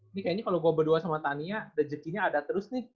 ini kayaknya kalau gue berdua sama tania rejekinya ada terus nih